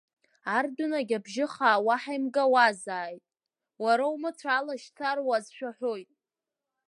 Ардәынагь абжьы-хаа уаҳа имгауазааит, Уара умыцәа алашьцара уазшәаҳәоит.